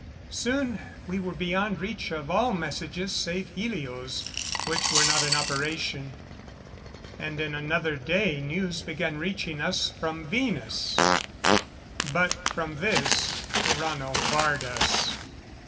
Soon we were beyond reach of all messages save helios, which were not in operation. And in another day news began reaching us from Venus. But from this Tarrano barred us.